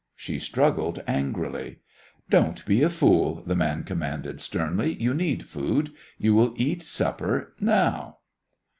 She struggled angrily. "Don't be a fool," the man commanded, sternly, "you need food. You will eat supper, now!"